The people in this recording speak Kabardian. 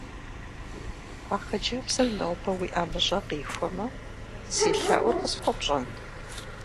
А хъыджэбзыр нобэ уи ӀэмыщӀэ къихуэмэ, си лъэӀур къысхуэпщӀэн?